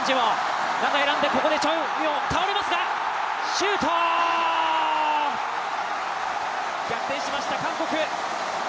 シュート、逆転しました韓国。